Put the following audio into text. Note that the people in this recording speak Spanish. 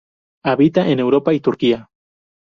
Habita en Europa y Turquía.